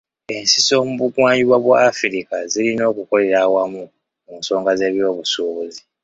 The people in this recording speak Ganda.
Ensi z'omu bugwanjuba bwa Africa zirina okukolera awamu mu nsonga z'ebyobusuubuzi.